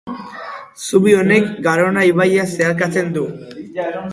Zubi honek Garona ibaia zeharkatzen du.